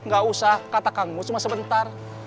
gak usah kata kang mus cuma sebentar